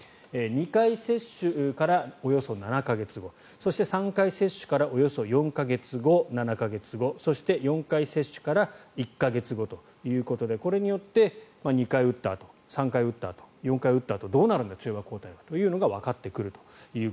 ２回接種からおよそ７か月後そして３回接種から４か月後、７か月後そして、４回接種から１か月後ということでこれによって２回打ったあと３回打ったあと４回打ったあとどうなるんだ中和抗体というのがわかってきました。